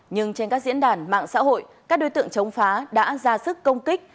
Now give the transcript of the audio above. nhưng trên các diễn đàn mạng xã hội các đối tượng chống phá đã ra sức công kích